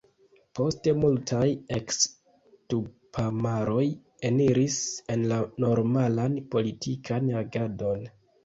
Poste multaj eks-tupamaroj eniris en la normalan politikan agadon.